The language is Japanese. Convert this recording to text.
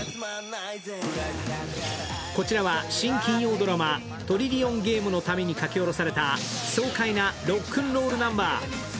こちらは新金曜ドラマ「トリリオンゲーム」のために書き下ろされた爽快なロックンロールナンバー。